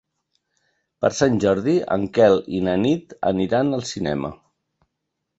Per Sant Jordi en Quel i na Nit aniran al cinema.